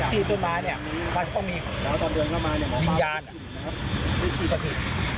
ที่ต้นไม้เนี่ยมันต้องมีวิญญาณสถิติ